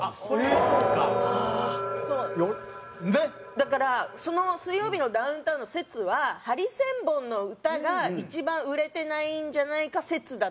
だからその『水曜日のダウンタウン』の説はハリセンボンの歌が一番売れてないんじゃないか説だったんですよ。